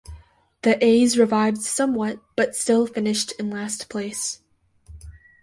The A's revived somewhat, but still finished in last place.